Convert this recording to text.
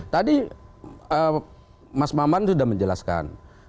tadi mas maman sudah menjelaskan